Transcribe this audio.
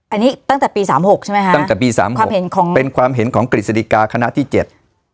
อันนี้ตั้งแต่ปีสามหกใช่ไหมคะตั้งแต่ปีสามความเห็นของเป็นความเห็นของกฤษฎิกาคณะที่เจ็ด